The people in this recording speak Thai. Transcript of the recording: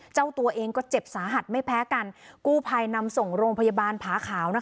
เจ้าตัวเองก็เจ็บสาหัสไม่แพ้กันกู้ภัยนำส่งโรงพยาบาลผาขาวนะคะ